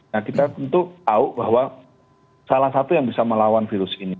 nah kita tentu tahu bahwa salah satu yang bisa melawan virus ini